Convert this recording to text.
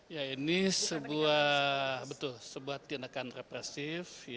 ya ini sebuah betul sebuah tindakan represif